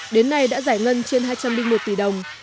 đến nay đã giải ngân trên hai trăm linh một tỷ đồng